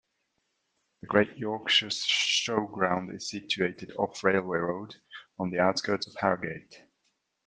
The Great Yorkshire Showground is situated off Railway Road, on the outskirts of Harrogate.